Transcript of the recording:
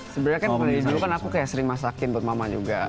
sebenarnya kan kalau dari dulu kan aku kayak sering masakin buat mama juga